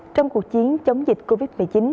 trong cuộc chiến chống dịch covid một mươi chín